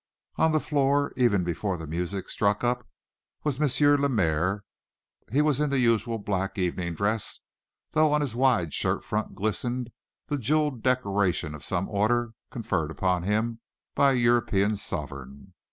On the floor, even before the music struck up, was M. Lemaire. He was in the usual black evening dress, though on his wide shirt front glistened the jeweled decoration of some order conferred upon him by a European sovereign.